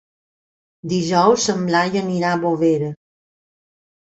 Dijous en Blai anirà a Bovera.